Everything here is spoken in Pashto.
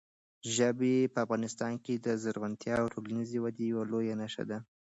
ژبې په افغانستان کې د زرغونتیا او ټولنیزې ودې یوه لویه نښه ده.